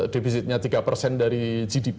defisitnya tiga persen dari gdp